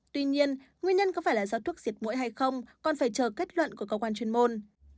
tuy nhiên nguyên nhân có phải là do thuốc diệt mũi hay không còn phải chờ kết luận của cơ quan chuyên môn